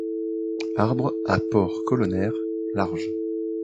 Arbre à port colonnaire large.